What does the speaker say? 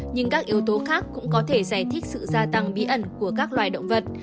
nhưng các yếu tố khác cũng có thể giải thích sự gia tăng bí ẩn của các loài động vật